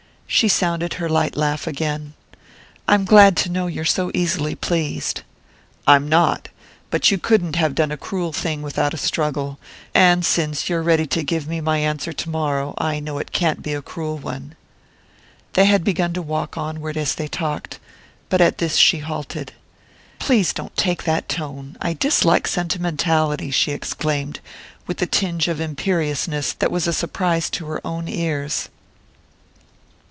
She sounded her light laugh again. "I'm glad to know you're so easily pleased." "I'm not! But you couldn't have done a cruel thing without a struggle; and since you're ready to give me my answer tomorrow, I know it can't be a cruel one." They had begun to walk onward as they talked, but at this she halted. "Please don't take that tone. I dislike sentimentality!" she exclaimed, with a tinge of imperiousness that was a surprise to her own ears.